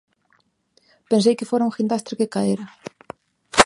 Pensei que fora un guindastre que caera.